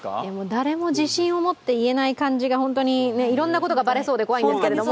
誰も自信を持っていえない感じが本当に、いろんなことがバレそうで怖いんですけど。